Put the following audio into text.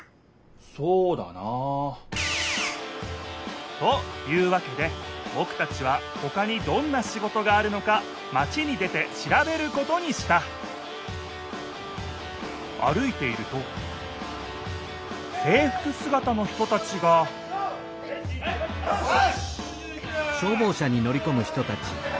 そうだなあ。というわけでぼくたちはほかにどんなシゴトがあるのかマチに出てしらべることにした歩いているとせいふくすがたの人たちがよしっ！